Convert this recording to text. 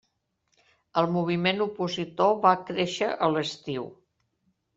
El moviment opositor va créixer a l'estiu.